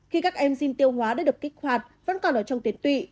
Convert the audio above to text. khi các em din tiêu hóa đã được kích hoạt vẫn còn ở trong tiến tụy